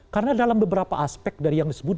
karena dalam beberapa aspek dari yang disebut